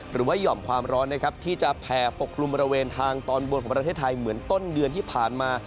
หย่อมความร้อนนะครับที่จะแผ่ปกกลุ่มบริเวณทางตอนบนของประเทศไทยเหมือนต้นเดือนที่ผ่านมา